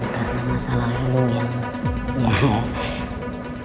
karena masa lalu yang